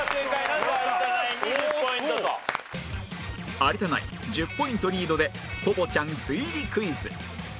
有田ナイン１０ポイントリードで『コボちゃん』推理クイズ